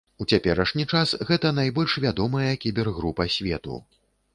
У цяперашні час гэта найбольш вядомая кібергрупа свету.